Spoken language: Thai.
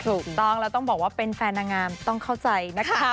ถูกต้องแล้วต้องบอกว่าเป็นแฟนนางงามต้องเข้าใจนะคะ